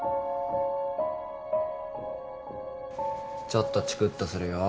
ちょっとチクッとするよ。